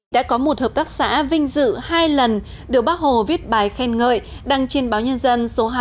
đã có một hợp tác xã vinh dự hai lần được bác hồ viết bài khen ngợi đăng trên báo nhân dân số hai nghìn bốn trăm tám mươi chín